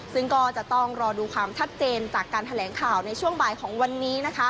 ซึ่งก็จะต้องรอดูความชัดเจนจากการแถลงข่าวในช่วงบ่ายของวันนี้